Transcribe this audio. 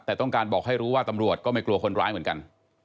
แต่ต้องการบอกให้รู้ว่าตำรวจก็ไม่กลัวคนร้ายเหมือนกัน